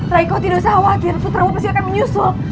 rai kau tidak usah khawatir putramu pasti akan menyusul